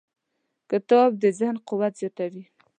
کتاب د ذهن قوت زیاتوي.